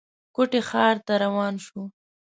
کوټې ښار ته روان شو.